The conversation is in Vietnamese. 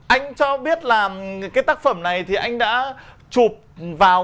anh cho biết là cái tác phẩm này thì anh đã chụp vào